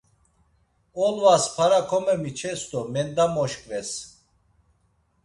Olvas para komemiçes do mendamoşǩves.